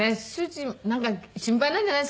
なんか心配なんじゃないですか。